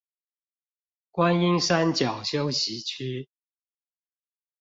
觀音山腳休息區